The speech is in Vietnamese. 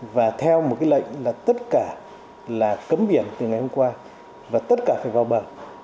và theo một cái lệnh là tất cả là cấm biển từ ngày hôm qua và tất cả phải vào bờ